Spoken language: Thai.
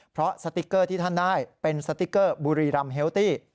เพราะสติ๊กเกอร์ที่ท่านได้เป็นสติ๊กเกอร์บุรีรำเฮลตี้